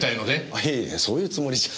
あいやそういうつもりじゃ。